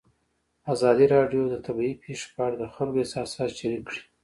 ازادي راډیو د طبیعي پېښې په اړه د خلکو احساسات شریک کړي.